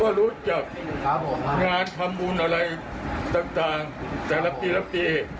ก็รู้จักงานทำบุญอะไรต่างแต่ละปีรับปี